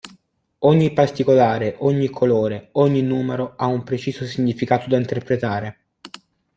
Ogni particolare, ogni colore, ogni numero ha un preciso significato da interpretare.